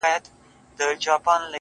کاڼی مي د چا په لاس کي وليدی ـ